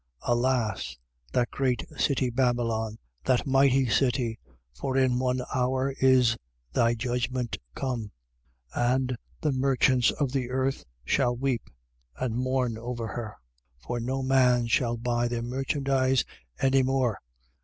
alas! that great city, Babylon, that mighty city: for in one hour is thy judgment come. 18:11. And the merchants of the earth shall weep and mourn over her: for no man shall buy their merchandise any more.